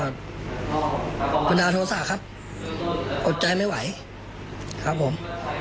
บันดาลโทษะครับอดใจไม่ไหวครับผม